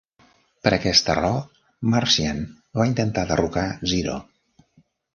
Per aquesta raó Marcian va intentar derrocar Zero.